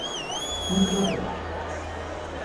მუჭო რექ?